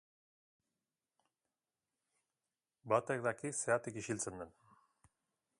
Batek daki zergatik ixiltzen den!